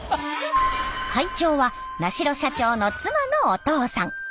会長は名城社長の妻のお父さん。